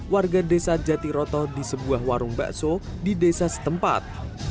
warga desa jatiroto di sebuah warung bakso di desa setempat